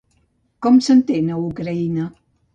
Com s'entén a Ucraïna?